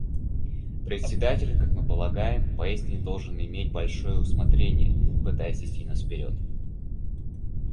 Председатель, как мы полагаем, поистине должен иметь большое усмотрение, пытаясь вести нас вперед.